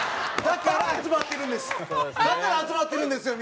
だから集まってるんですよ